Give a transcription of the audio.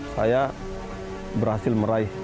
saya berhasil meraih